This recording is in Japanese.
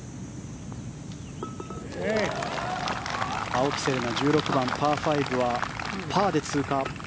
青木瀬令奈１６番、パー５はパーで通過。